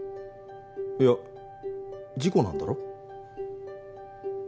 いや事故なんだろ？